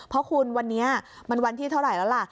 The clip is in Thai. เพราะคุณวันนี้มันวันที่เท่าไหร่แล้วล่ะ